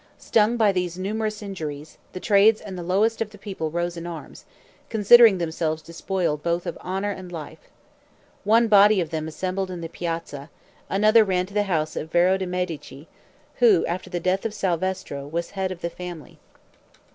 Stung by these numerous injuries, the trades and the lowest of the people rose in arms, considering themselves despoiled both of honor and life. One body of them assembled in the piazza; another ran to the house of Veri de' Medici, who, after the death of Salvestro, was head of the family.